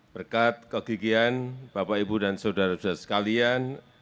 berkat kegigian bapak ibu dan saudara saudara sekalian